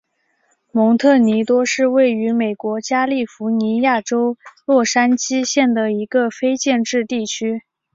蒙特尼多是位于美国加利福尼亚州洛杉矶县的一个非建制地区。